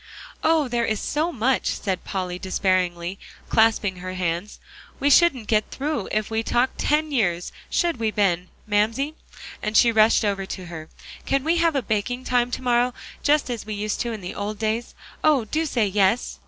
"Oh! there is so much," said Polly despairingly, clasping her hands, "we shouldn't get through if we talked ten years, should we, Ben? Mamsie," and she rushed over to her, "can we have a baking time to morrow, just as we used to in the old days? Oh! do say yes."